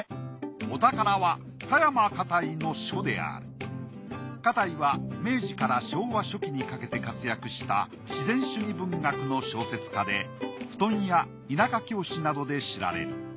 お宝は花袋は明治から昭和初期にかけて活躍した自然主義文学の小説家で『蒲団』や『田舎教師』などで知られる。